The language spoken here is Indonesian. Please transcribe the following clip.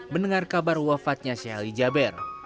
mendengar kabar wafatnya sheikh ali jaber